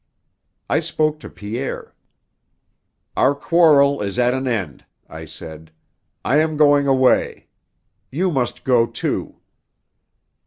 I spoke to Pierre. "Our quarrel is at an end," I said. "I am going away. You must go, too."